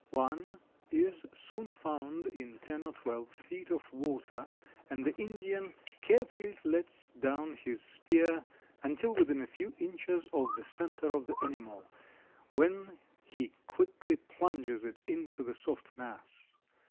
One is soon found in ten or twelve feet of water and the Indian carefully lets down his spear until within a few inches of the center of the animal, when he quickly plunges it into the soft mass.